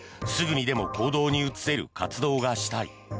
すぐにでも行動に移せる活動がしたい。